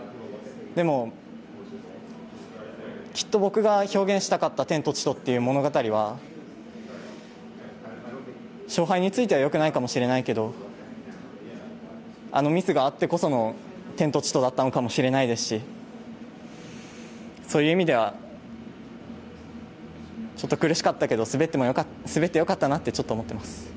でも、きっと僕が表現したかった「天と地と」って物語は勝敗についてはよくないかもしれないけどあのミスがあってこその「天と地と」だったのかもしれないですしそういう意味ではちょっと苦しかったけど滑ってよかったなってちょっと、思ってます。